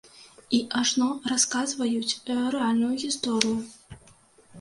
І ажно расказваюць рэальную гісторыю.